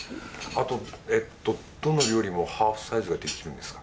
あとえっとどの料理もハーフサイズができるんですか？